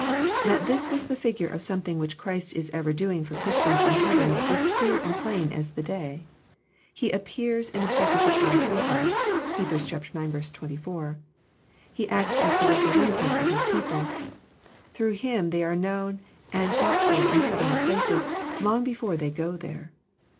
That this was the figure of something which Christ is ever doing for Christians in heaven, is clear and plain as the day. He " appears in the presence of God for us." (Heb. ix. 24.) He acts as the Representative of His people. Through Him they are known and thought for in heavenly places, long before they go there.